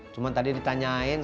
cuman tadi ditanyain